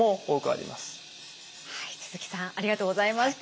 はい鈴木さんありがとうございました。